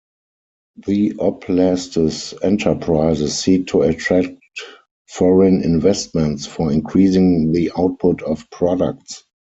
The oblast's enterprises seek to attract foreign investments for increasing the output of products.